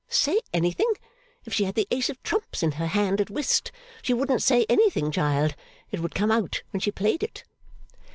Say anything! If she had the ace of trumps in her hand at whist, she wouldn't say anything, child. It would come out when she played it.